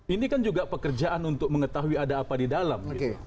ini kan juga pekerjaan untuk mengetahui ada apa di dalam